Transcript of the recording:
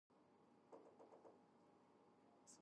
He gets the songs across.